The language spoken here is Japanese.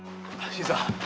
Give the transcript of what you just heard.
新さん。